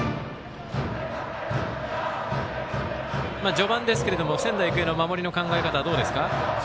序盤ですけれど仙台育英の守りの考え方はどうですか？